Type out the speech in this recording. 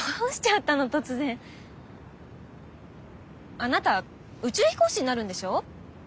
あなた宇宙飛行士になるんでしょ？